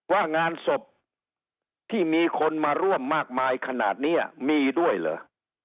ว่างานศพที่มีคนมาร่วมมากมายขนาดนี้มีด้วยเหรอ